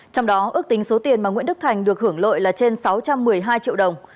trong đó ước tính số tiền mà nguyễn đức thành được hưởng lợi là trên sáu trăm một mươi hai triệu đồng